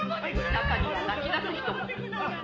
「中には泣き出す人も」